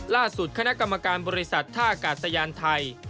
คณะกรรมการบริษัทท่ากาศยานไทย